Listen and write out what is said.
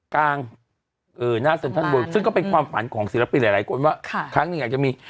กลางเออหน้าซึ่งก็เป็นความฝันของศิลปินหลายคนว่าค่ะครั้งนี้อาจจะมี